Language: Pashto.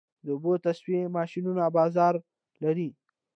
د اوبو تصفیې ماشینونه بازار لري؟